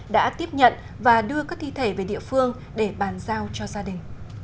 đã tiếp nhận và đưa các thi thể về địa phương để bàn giao cho gia đình